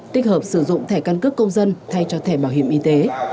tích hợp sử dụng thẻ căn cước công dân thay cho thẻ bảo hiểm y tế